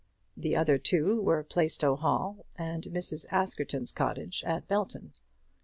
The other two were Plaistow Hall and Mrs. Askerton's cottage at Belton.